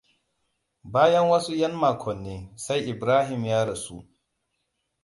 Bayan wasu yan makonni sai Ibrahim ya rasu.